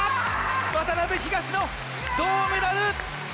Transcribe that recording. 渡辺、東野、銅メダル！